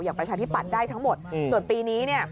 อย่างประชาธิปัดได้ทั้งหมดส่วนปีนี้เนี่ย